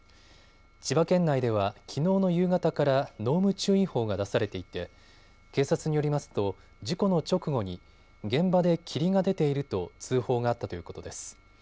千葉県内では、きのうの夕方から濃霧注意報が出されていて警察によりますと事故の直後に現場で霧が出ていると通報があったということです。